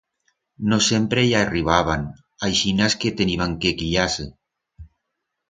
No sempre i arribaban, aixinas que teniban que quillar-se.